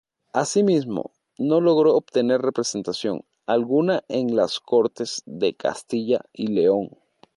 Asimismo no logró obtener representación alguna en las Cortes de Castilla y León.